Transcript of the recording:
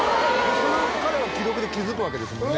その彼は既読で気づくわけですもんね